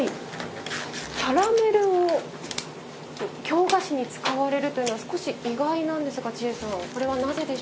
キャラメルを京菓子に使われるというのは少し意外なんですが千恵さんこれはなぜでしょう？